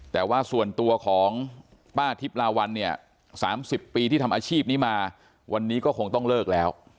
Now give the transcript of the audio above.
แต่ว่าส่วนตัวของป้าทิพลาวันเนี่ย๓๐ปีที่ทำอาชีพนี้มาวันนี้ก็คงต้องเลิกแล้ว